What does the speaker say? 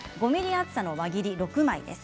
５ｍｍ厚さの輪切り６枚です。